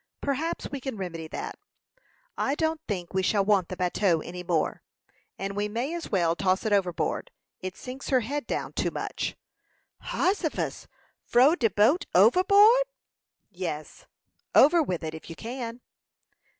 "Perhaps we can remedy that. I don't think we shall want the bateau any more, and we may as well toss it overboard. It sinks her head down too much." "Hossifus! Frow de boat overboard?" "Yes; over with it, if you can."